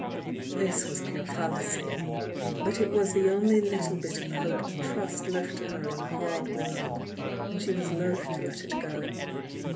This was pure fallacy, but it was tiie only little bit of hope and trust left to her in a hard world, and she was loth to let it go.